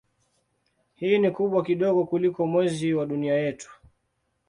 Hii ni kubwa kidogo kuliko Mwezi wa Dunia yetu.